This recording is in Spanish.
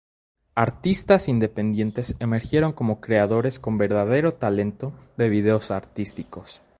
Artistas independientes emergieron como creadores con verdadero talento de videos artísticos.